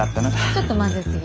ちょっと混ぜすぎ。